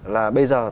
là bây giờ